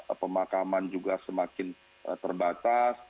atau pemakaman juga semakin terbatas